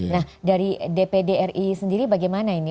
nah dari dp dri sendiri bagaimana ini